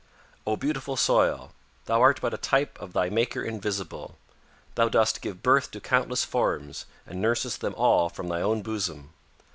"O beautiful soil! Thou art but a type of thy maker invisible. Thou dost give birth to countless forms and nursest them all from thy own bosom.